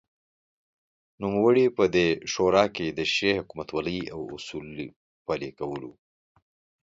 نوموړی په دې شورا کې دښې حکومتولۍ او اصولو پلې کولو